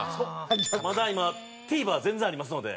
まだ今ＴＶｅｒ全然ありますので。